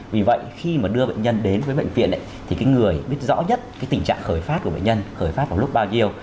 vì vậy khi mà đưa bệnh nhân đến với bệnh viện thì cái người biết rõ nhất cái tình trạng khởi phát của bệnh nhân khởi phát vào lúc bao nhiêu